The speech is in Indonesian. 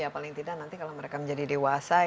paling tidak nanti kalau mereka menjadi dewasa